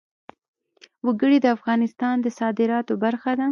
وګړي د افغانستان د صادراتو برخه ده.